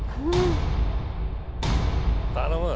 頼む。